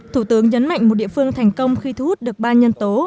thủ tướng nhấn mạnh một địa phương thành công khi thu hút được ba nhân tố